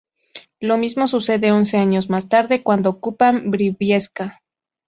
Lo mismo sucede once años más tarde cuando ocupan Briviesca.